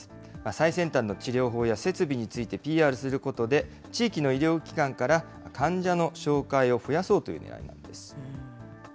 最先端の治療法や設備についてＰＲすることで、地域の医療機関から患者の紹介を増やそうというねらいなんです。